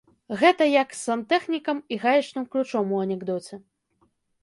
Гэта як з сантэхнікам і гаечным ключом у анекдоце.